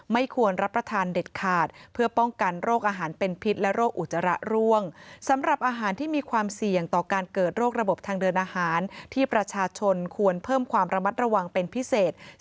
มันจะระร่วงสำหรับอาหารที่มีความเสี่ยงต่อการเกิดโรคระบบทางเดินอาหารที่ประชาชนควรเพิ่มความระมัดระวังเป็นพิเศษ๑๐